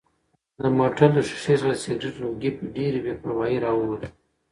د موټر له ښیښې څخه د سګرټ لوګی په ډېرې بې پروایۍ راووت.